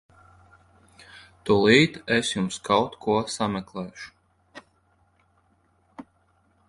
Tūlīt es jums kaut ko sameklēšu.